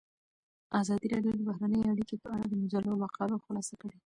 ازادي راډیو د بهرنۍ اړیکې په اړه د مجلو مقالو خلاصه کړې.